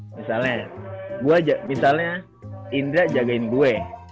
misalnya gua misalnya indra jagain gue